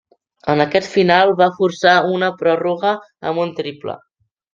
En aquesta final va forçar una pròrroga amb un triple.